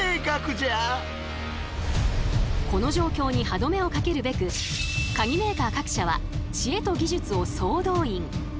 この状況に歯止めをかけるべくカギメーカー各社は知恵と技術を総動員。